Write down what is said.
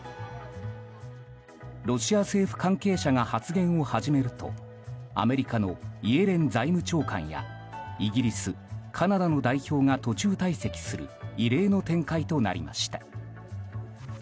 ロシア政府関係者が発言を始めるとアメリカのイエレン財務長官やイギリス、カナダの代表が途中退席する異例の展開となりました。